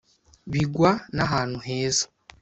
bigwa na hantu heza